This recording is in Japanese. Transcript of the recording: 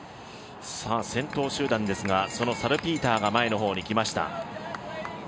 先頭集団ですがサルピーターが前の方に来ました。